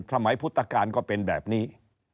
พุทธการก็เป็นแบบนี้